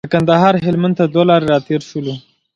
د کندهار هلمند تر دوه لارې راتېر شولو.